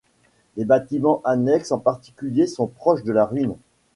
Les bâtiments annexes en particulier sont proches de la ruine.